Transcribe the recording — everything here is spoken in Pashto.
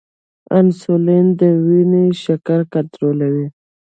انسولین د وینې شکر کنټرولوي